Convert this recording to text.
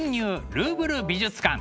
ルーブル美術館」。